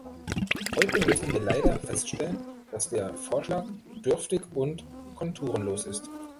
Heute müssen wir leider feststellen, dass der Vorschlag dürftig und konturenlos ist.